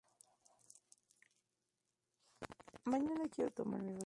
Escrita para instruir los monjes sajones, es la primera monografía doctrinal sobre la eucaristía.